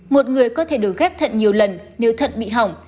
một người có thể được ghép thận nhiều lần nếu thận bị hỏng